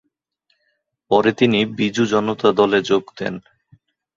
পরে তিনি বিজু জনতা দলে যোগ দেন।